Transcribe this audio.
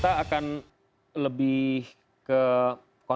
terima kasih pak